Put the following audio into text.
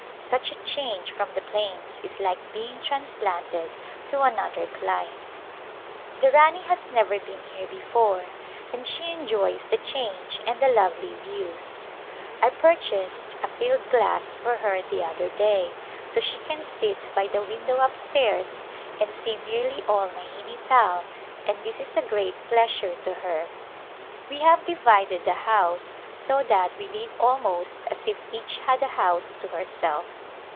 Such a change from the plains is like being transplanted to another clime. The Rani has never been here before and she en joys the change and the lovely views. I purchased a field glass for her the other day so she can sit by the window up stairs and see nearly all Naini Tal, and this is a great pleasure to her. We have divided the house so that we live almost as if each had a house to herself.